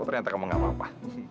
ternyata kamu gak apa apa